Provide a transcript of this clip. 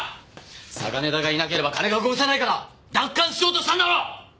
嵯峨根田がいなければ金が動かせないから奪還しようとしたんだろ！